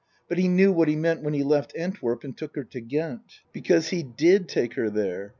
But he knew what he meant when he left Antwerp and took her to Ghent. Because he did take her there.